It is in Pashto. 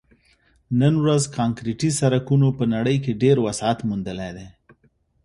نن ورځ کانکریټي سړکونو په نړۍ کې ډېر وسعت موندلی دی